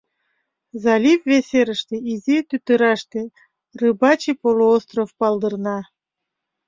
Залив вес серыште, изи тӱтыраште, Рыбачий полуостров палдырна.